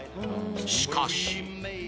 しかし